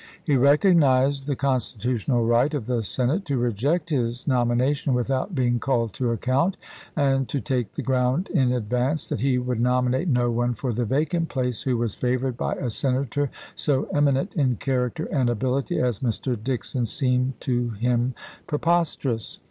He recognized the constitutional right of the Senate to reject his nomination without being called to account ; and to take the ground in advance that he would nominate no one for the vacant place who was favored by a Senator so eminent in character and ability as Mr. Dixon seemed to him preposterous.